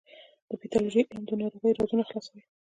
د پیتالوژي علم د ناروغیو رازونه خلاصوي.